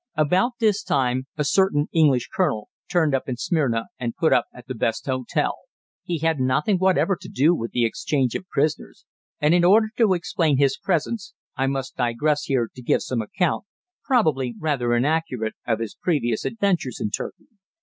About this time a certain English colonel turned up in Smyrna and put up at the best hotel. He had nothing whatever to do with the exchange of prisoners; and in order to explain his presence I must digress here to give some account, probably rather inaccurate, of his previous adventures in Turkey.